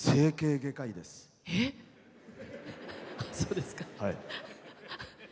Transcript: えあ、そうですか。